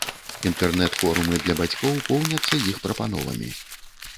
Інтэрнэт-форумы для бацькоў поўняцца іх прапановамі.